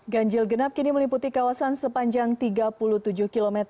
ganjil genap kini meliputi kawasan sepanjang tiga puluh tujuh km